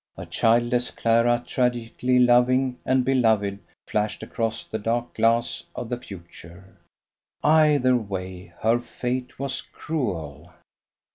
A childless Clara tragically loving and beloved flashed across the dark glass of the future. Either way her fate was cruel.